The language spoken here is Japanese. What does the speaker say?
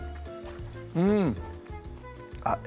うんあっ